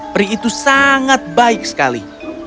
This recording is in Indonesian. peri itu sangat baik sekali